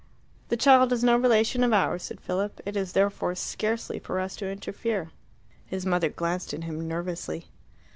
"The child is no relation of ours," said Philip. "It is therefore scarcely for us to interfere." His mother glanced at him nervously.